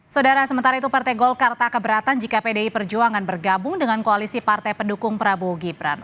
saudara sementara itu partai golkar tak keberatan jika pdi perjuangan bergabung dengan koalisi partai pendukung prabowo gibran